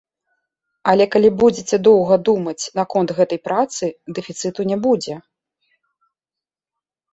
Але калі будзеце доўга думаць наконт гэтай працы, дэфіцыту не будзе.